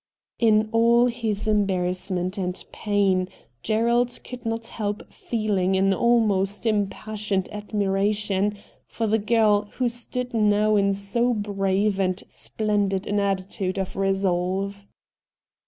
In all his embarrassment and pain Gerald could not help feeling an almost impassioned admiration for the girl who stood now in so brave and splendid an attitude of resolve.